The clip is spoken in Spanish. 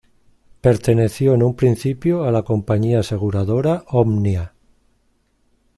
Perteneció en un principio a la compañía aseguradora Omnia.